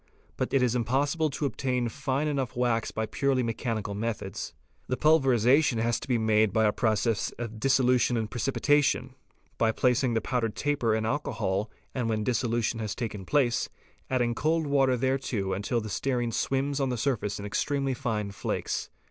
But it is impossible to obtain fine enough wax by purely mechanical methods. The pulverization has to be made by a process of dissolution and precipitation, by placing the powdered § taper in alcohol and when dissolution has taken place, adding cold water thereto until the stearine swims on the surface in extremely fine flakes.